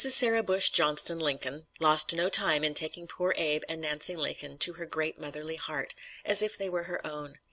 Sarah Bush Johnston Lincoln lost no time in taking poor Abe and Nancy Lincoln to her great motherly heart, as if they were her own.